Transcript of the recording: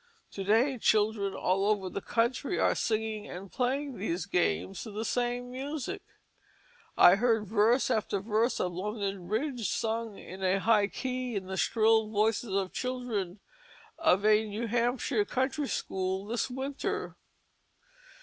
To day children all over the country are singing and playing these games to the same music. I heard verse after verse of London Bridge sung in a high key in the shrill voices of the children of a New Hampshire country school this winter.